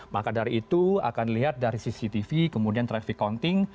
maka dari itu akan dilihat dari cctv kemudian traffic counting